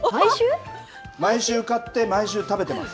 毎週買って、毎週食べてます。